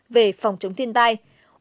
về phòng chống thiên tai